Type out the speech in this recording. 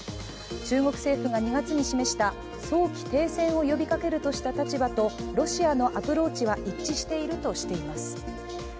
中国政府が２月に示した早期停戦を呼びかけるとした立場とロシアのアプローチは一致しているとしています。